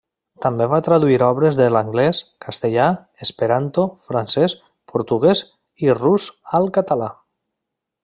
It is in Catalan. També va traduir obres de l'anglès, castellà, esperanto, francès, portuguès i rus al català.